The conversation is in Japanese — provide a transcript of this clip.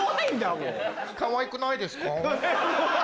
かわいくないですか？